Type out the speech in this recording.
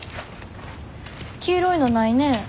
黄色いのないね。